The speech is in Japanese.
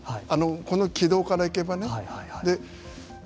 この軌道からいけばね。